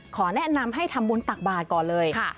ขอแนะนำให้ทำบุญตักบาทก่อนเลย